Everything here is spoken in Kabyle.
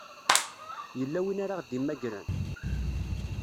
Yella win ara ɣ-d-imagren?